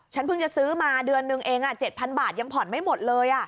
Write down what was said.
ฉันเพิ่งจะซื้อมาเดือนนึงเอง๗๐๐บาทยังผ่อนไม่หมดเลย